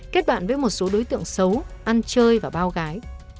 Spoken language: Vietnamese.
kết bạn với một số đối tượng xấu ăn chơi và bao gái